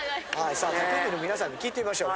さあ他県民のみなさんに聞いてみましょう。